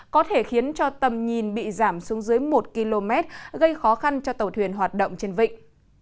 có thể khiến cho tầm nhìn bị giảm xuống dưới một km gây khó khăn cho tàu thuyền hoạt động trên vịnh